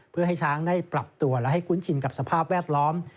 เพื่อให้ช้างได้ปรับตัวและให้คุ้นชินกับสภาพแวดล้อม